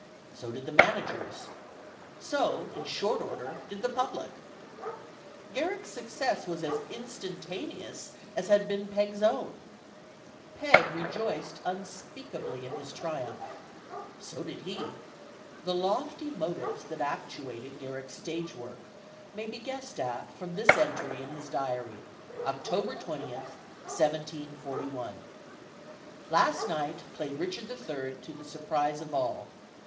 So did the managers. So, in short order, did the public. Garrick's success was as instantaneous as had been Peg's own. Peg rejoiced unspeakably in his triumph 50 STORIES OF THE SUPER WOMEN So did he. The lofty motives that actuated Garrick'a stage work may be guessed at from this entry in his dairy, October 20, 1741: Last night played Richard the Third to the surprise of all.